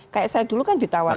kayak saya dulu kan ditawarin